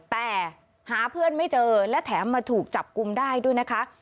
แต่หาเพื่อนไม่เจอและแถมมาถูกจับกลุ่มได้ด้วยนะคะ